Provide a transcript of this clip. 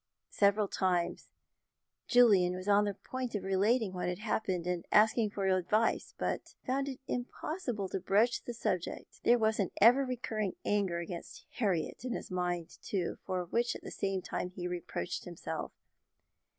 Several times Julian was on the point of relating what had happened, and asking for advice, but he found it impossible to broach the subject. There was an ever recurring anger against Harriet in his mind, too, for which at the same time he reproached himself.